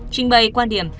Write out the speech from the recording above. trình bày quan điểm